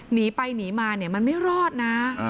หนีไปหนีมาเนี่ยมันไม่รอดนะ